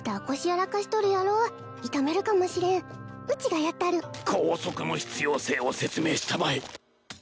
やらかしとるやろ痛めるかもしれんうちがやったる拘束の必要性を説明したまえ！